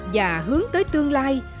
và hướng tới tương lai